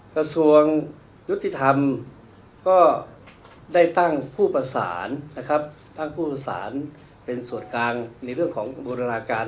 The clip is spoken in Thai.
กระทรวงยุติธรรมก็ได้ตั้งผู้ประสานเป็นส่วนกลางในเรื่องของบรรลาการ